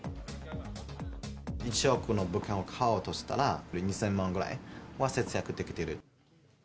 １億の物件を買おうとしたら、２０００万ぐらいは節約できている。